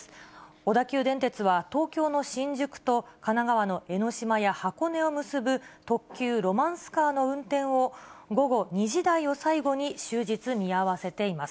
小田急電鉄は東京の新宿と神奈川の江ノ島や箱根を結ぶ特急ロマンスカーの運転を、午後２時台を最後に、終日見合わせています。